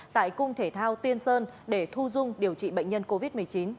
tại cung thể thao tiên sơn để thu dung điều trị bệnh nhân covid một mươi chín